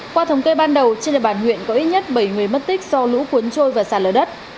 qua thống kê ban đầu trên địa bàn huyện có ít nhất bảy người mất tích do lũ cuốn trôi và sạt lở đất